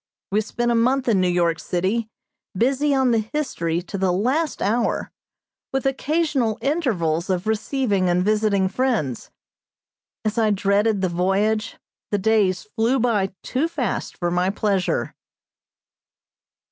We spent a month in New York city, busy on the History to the last hour, with occasional intervals of receiving and visiting friends. As I dreaded the voyage, the days flew by too fast for my pleasure.